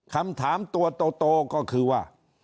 คำถามตัวโตก็คือว่า